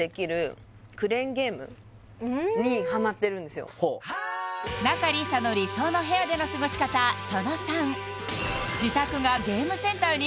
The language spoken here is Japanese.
私にハマってるんですよ仲里依紗の理想の部屋での過ごし方その３自宅がゲームセンターに？